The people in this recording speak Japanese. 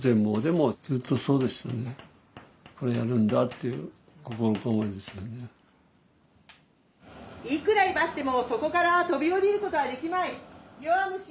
「いくら威張ってもそこから飛び降りることはできまい」。